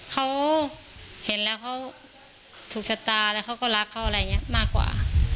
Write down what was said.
เขาเห็นแล้วเขาถูกชะตาแล้วเขาก็รักเขาอะไรอย่างนี้มากกว่า